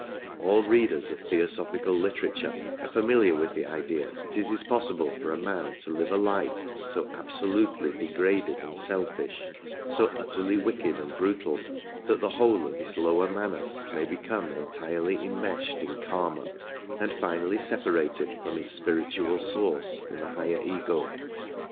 All readers of Theosophical literature are familiar with the idea that it is possible for a man to live a life so absolutely degraded and selfish, so utterly wicked and brutal, that the whole of his lower Manas may become entirely immeshed in Kima, and finally separated from its spiritual source in the higher Ego.